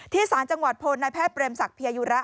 ที่ศาลจังหวัดพลนายแพทย์เปรมศักดิ์เพียยยุระ